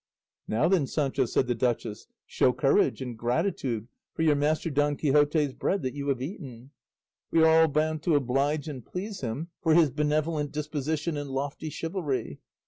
"Now then, Sancho!" said the duchess, "show courage, and gratitude for your master Don Quixote's bread that you have eaten; we are all bound to oblige and please him for his benevolent disposition and lofty chivalry.